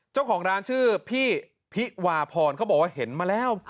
เจ้าของร้านชื่อพี่พิวาพรเขาบอกว่าเห็นมาแล้ว